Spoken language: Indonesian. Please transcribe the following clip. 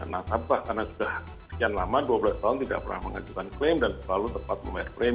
karena sudah sekian lama dua belas tahun tidak pernah mengajukan klaim dan terlalu tepat memelihar klaim